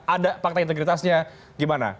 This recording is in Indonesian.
ada fakta integritasnya gimana